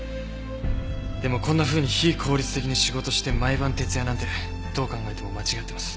でもこんなふうに非効率的に仕事して毎晩徹夜なんてどう考えても間違ってます。